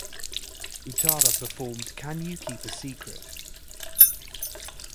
Utada performed Can You Keep a Secret?